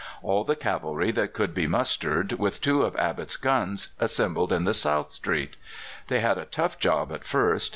All the cavalry that could be mustered, with two of Abbott's guns, assembled in the south street. They had a tough job at first.